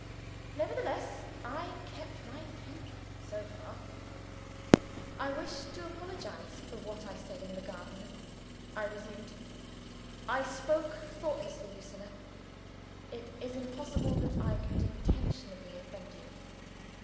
Nevertheless, I kept my temper so far. "I wish to apologize for what I said in the garden," I resumed. "I spoke thoughtlessly, Lucilla. It is impossible that I could intentionally offend you."